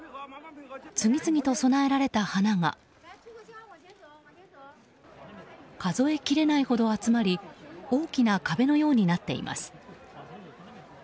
次々と供えられた花が数えきれないほど集まり大きな壁のようになっています。